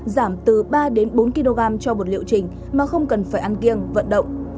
giảm từ ba đến bốn kg cho một liệu trình mà không cần phải ăn kiêng vận động